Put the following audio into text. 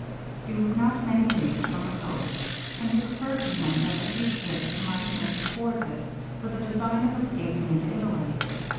He was not many leagues from the coast; and it occurred to him that the fugitives might make towards it with a design of escaping into Italy.